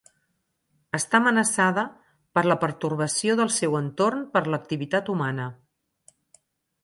Està amenaçada per la pertorbació del seu entorn per l'activitat humana.